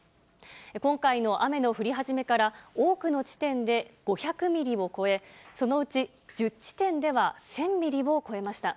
今回の雨の降り始めから、多くの地点で５００ミリを超え、そのうち１０地点では１０００ミリを超えました。